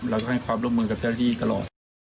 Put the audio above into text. เราก็ให้ความร่วมมือกับเจ้าหน้าที่ตลอด